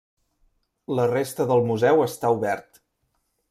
La resta del museu està obert.